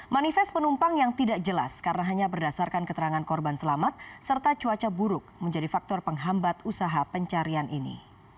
manifest penumpang yang tidak jelas karena hanya berdasarkan keterangan korban selamat serta cuaca buruk menjadi faktor penghambat usaha pencarian ini